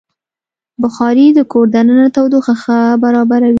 بخاري د کور دننه تودوخه برابروي.